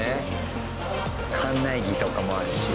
館内着とかもあるし。